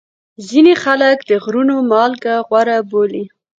ځینې خلک د غرونو مالګه غوره بولي.